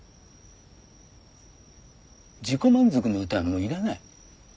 自己満足の歌はもう要らない。